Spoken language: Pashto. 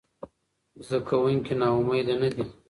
زده کوونکي ناامیده نه دي.